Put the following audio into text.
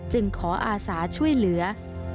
ขออาสาช่วยเหลือ